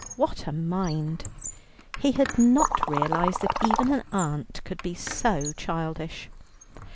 What a mind! He had not realized that even an aunt could be so childish.